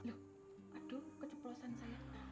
aduh keceplosan saya